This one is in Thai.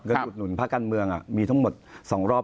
อุดหนุนภาคการเมืองมีทั้งหมด๒รอบ